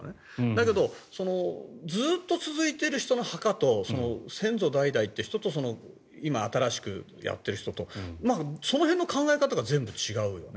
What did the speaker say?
だけどずっと続いている人の墓と先祖代々って人と今、新しくやってる人とその辺の考え方が全部違うよね。